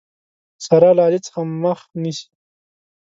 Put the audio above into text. سارا له علي څخه مخ نيسي.